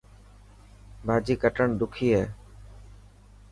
ڀاڄي ڪٽڻ ڏکي هي.